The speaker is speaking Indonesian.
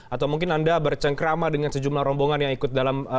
atau mungkin anda bercengkrama dengan sejumlah rombongan yang ikut dalam